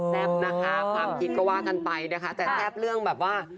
นะคะความคิดก็ว่ากันไปนะคะแต่แซ่บเรื่องแบบว่า